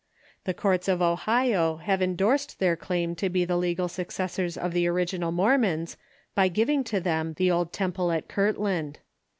The courts of Ohio have endorsed their claim to be the legal successors of the original Mormons by giving to them the old temple at Kirtland.